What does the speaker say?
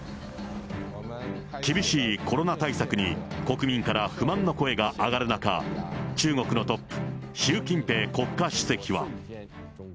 厳しいコロナ対策に、国民から不満の声が上がる中、中国のトップ、習近平国家主席は。